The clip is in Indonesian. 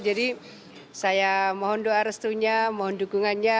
jadi saya mohon doa restunya mohon dukungannya